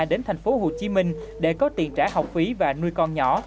đến tp hcm để có tiền trả học phí và nuôi con nhỏ